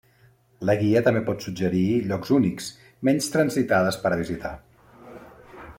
La guia també pot suggerir llocs únics, menys transitades per a visitar.